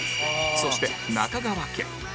そして中川家